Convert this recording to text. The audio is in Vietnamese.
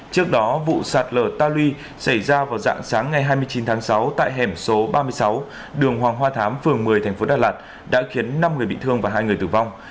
trước đó vụ sạt lở ta luy xảy ra vào dạng sáng ngày hai mươi chín tháng sáu tại hẻm số ba mươi sáu đường hoàng hoa thám phường một mươi tp đà lạt đã khiến năm người bị thương và hai người tử vong